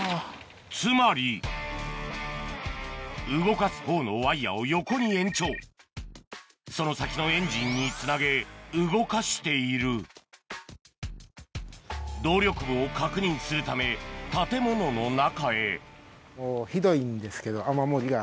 つまり動かすほうのワイヤを横に延長その先のエンジンにつなげ動かしている動力部を確認するため建物の中へもうひどいんですけど雨漏りがあったりして。